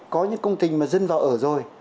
có những công tình mà dân vào ở rồi